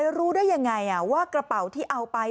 แล้วรู้ได้อย่างไรอ่ะว่ากระเป๋าที่เอ่าไป